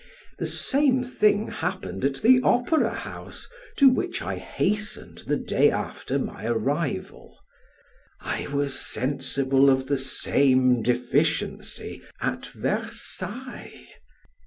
The same thing happened at the Opera house, to which I hastened the day after my arrival! I was sensible of the same deficiency at Versailles!